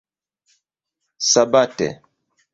sabate